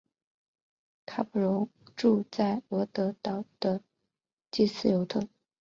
卡普荣住在罗德岛的斯基尤特。